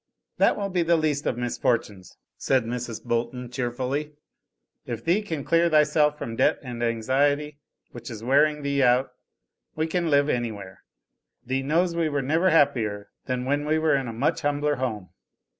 "That will be the least of misfortunes," said Mrs. Bolton, cheerfully, "if thee can clear thyself from debt and anxiety, which is wearing thee out, we can live any where. Thee knows we were never happier than when we were in a much humbler home."